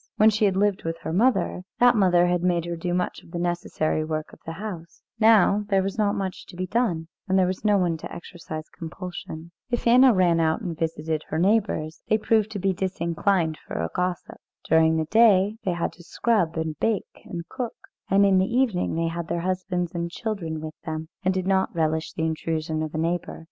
When she had lived with her mother, that mother had made her do much of the necessary work of the house; now there was not much to be done, and there was no one to exercise compulsion. If Anna ran out and visited her neighbours, they proved to be disinclined for a gossip. During the day they had to scrub and bake and cook, and in the evening they had their husbands and children with them, and did not relish the intrusion of a neighbour.